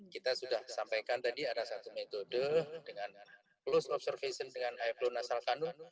kita sudah sampaikan tadi ada satu metode dengan close observation dengan iplow nasalkan